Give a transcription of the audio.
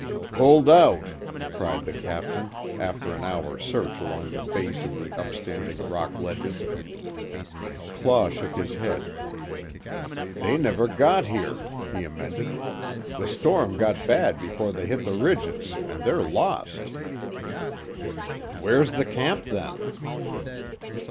"Pulled out!" cried the Captain, after an hour's search along the base of the upstanding rock ledges. Claw shook his head: "They never got here," he amended, "The storm got bad before they hit the ridges, an' they're lost." "Where's the camp, then?"